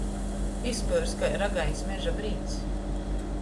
Izpyurs kai ragaiņs meža brīds.